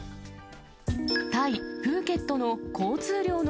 タイ・プーケットの交通量の